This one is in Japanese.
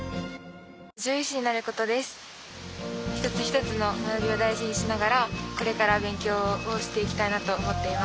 一つ一つの学びを大事にしながらこれから勉強をしていきたいなと思っています。